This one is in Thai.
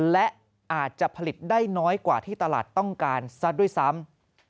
และอาจจะผลิตได้น้อยกว่าที่ตลาดต้องการซะด้วยซ้ำ